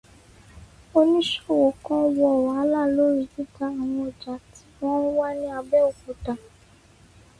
Oníṣòwò kan wọ wàhálà lórí títa àwọn ọjà tí wọ́n ń wá ní Abẹ́òkúta.